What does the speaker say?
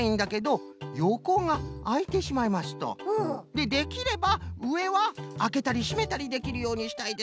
でできればうえはあけたりしめたりできるようにしたいです。